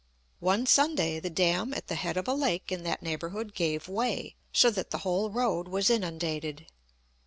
One Sunday the dam at the head of a lake in that neighbourhood gave way, so that the whole road was inundated.